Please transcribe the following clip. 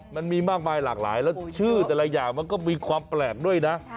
มันมีมากมายหลากหลายแล้วชื่อแต่ละอย่างมันก็มีความแปลกด้วยนะ